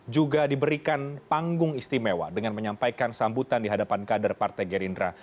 juga diberikan panggung istimewa dengan menyampaikan sambutan di hadapan kader partai gerindra